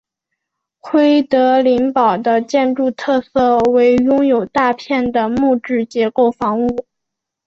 奎德林堡的建筑特色为拥有大片的木质结构房屋。